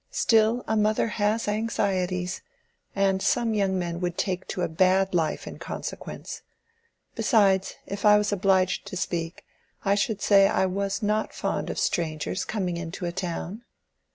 Still a mother has anxieties, and some young men would take to a bad life in consequence. Besides, if I was obliged to speak, I should say I was not fond of strangers coming into a town."